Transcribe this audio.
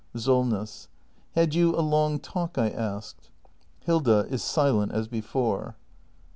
Solness. Had you a long talk, I asked ? [Hilda is silent as before.